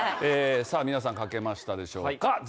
さあ皆さん書けましたでしょうか？